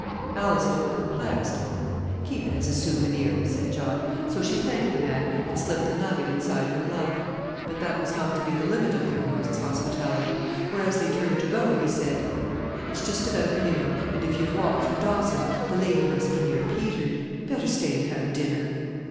Alice looked perplexed. "Keep it as a souvenir," said John, so she thanked the man and slipped the nugget inside her glove. But that was not to be the limit of their host's hospitality, for, as they turned to go, he said, "It's just about noon, and if you've walked from Dawson the lady must be near petered. Better stay and have dinner."